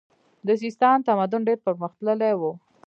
د سیستان تمدن ډیر پرمختللی و